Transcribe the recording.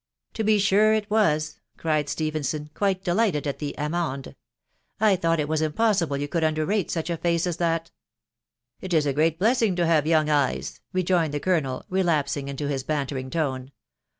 " To be sure it was !" cried Stephenson, quite rtiijfJfHul at the amende; " I thought it was impossible you^asjftd<vdea rate such a lace as that." " It is a great blessing to have young eyea/* rejeaned 4fct colonel, relapsing into his bantering tone.